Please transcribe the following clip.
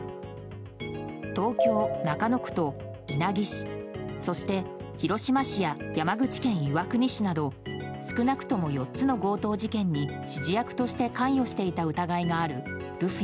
東京・中野区と稲城市そして、広島市や山口県岩国市など少なくとも４つの強盗事件に指示役として関与していた疑いがあるルフィ。